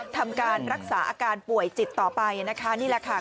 ทำการรักษาอาการป่วยจิตต่อไปนะคะนี่แหละค่ะ